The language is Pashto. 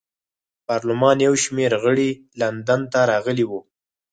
پارلمان یو شمېر غړي لندن ته راغلي وو.